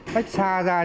tách xa ra